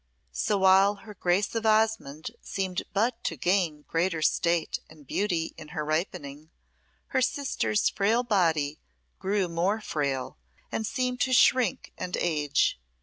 So while her Grace of Osmonde seemed but to gain greater state and beauty in her ripening, her sister's frail body grew more frail, and seemed to shrink and age.